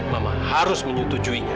mama harus menyutupi mereka